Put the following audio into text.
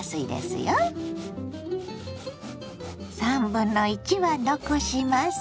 ３分の１は残します。